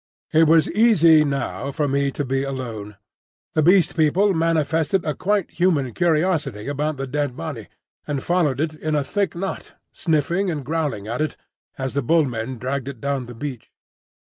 It was easy now for me to be alone. The Beast People manifested a quite human curiosity about the dead body, and followed it in a thick knot, sniffing and growling at it as the Bull men dragged it down the beach.